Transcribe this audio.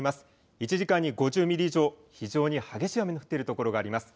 １時間に５０ミリ以上非常に激しい雨の降っている所があります。